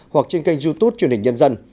hoặc trên kênh youtube chuyên hình nhân dân